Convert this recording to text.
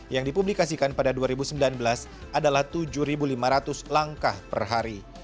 yang dipublikasikan pada dua ribu sembilan belas adalah tujuh lima ratus langkah per hari